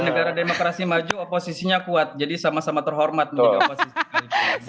negara demokrasi maju oposisinya kuat jadi sama sama terhormat menjadi oposisi